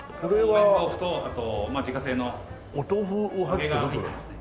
木綿豆腐とあと自家製の揚げが入ってますね。